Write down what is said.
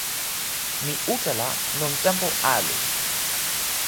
mi utala lon tenpo ali.